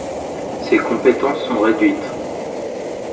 Ses compétences sont réduites.